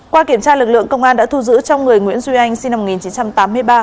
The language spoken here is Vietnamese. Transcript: qua kiểm tra lực lượng công an đã thu giữ trong người nguyễn duy anh sinh năm một nghìn chín trăm tám mươi ba